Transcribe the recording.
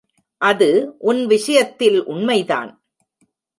அது உன் விஷயத்தில் உண்மைதான்.